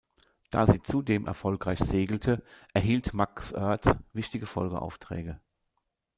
Da sie zudem erfolgreich segelte, erhielt Max Oertz wichtige Folgeaufträge.